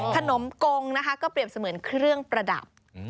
ขนมกงนะคะก็เปรียบเสมือนเครื่องประดับ